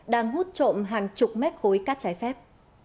đang hút trộm hàng chục mét khối cát trái phép